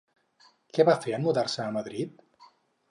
Què va fer en mudar-se a Madrid?